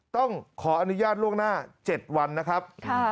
ต้องขออนุญาตล่วงหน้า๗วันนะครับ